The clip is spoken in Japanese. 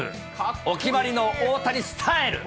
お決まりの大谷スタイル。